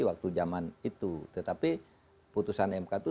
waktu zaman itu tetapi putusan mk itu